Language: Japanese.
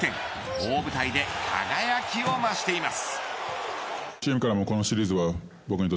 大舞台で輝きをましています。